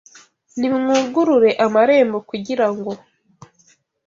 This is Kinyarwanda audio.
Nimwugurure amarembo kugira ngo